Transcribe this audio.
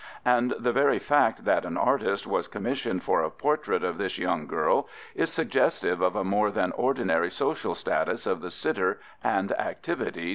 And, the very fact that an artist was commissioned for a portrait of this young girl is suggestive of a more than ordinary social status of the sitter and activity depicted.